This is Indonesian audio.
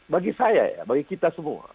bagi saya ya bagi kita semua